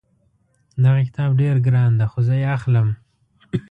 دغه کتاب ډېر ګران ده خو زه یې اخلم